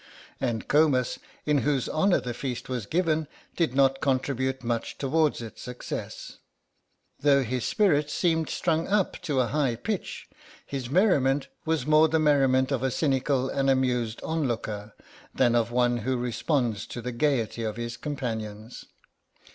And Comus, in whose honour the feast was given, did not contribute much towards its success; though his spirits seemed strung up to a high pitch his merriment was more the merriment of a cynical and amused onlooker than of one who responds to the gaiety of his companions.